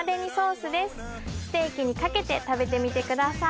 ステーキにかけて食べてみてください